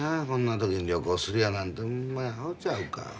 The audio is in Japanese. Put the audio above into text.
こんな時に旅行するやなんてほんまにアホちゃうか。